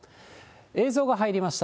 映像が入りました。